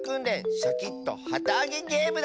シャキットはたあげゲームだ！